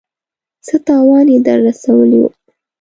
څه تاوان يې در رسولی و.